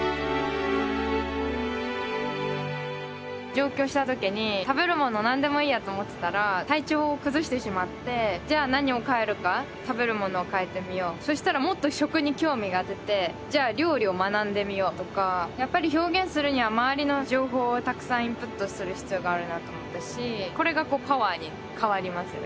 上京したときに食べるものなんでもいいやと思ってたら体調を崩してしまってじゃあ何を変えるか食べるものを変えてみようそしたらもっと食に興味が出てじゃあ料理を学んでみようとかやっぱり表現するには周りの情報はたくさんインプットする必要があるなと思ったしこれがパワーに変わりますね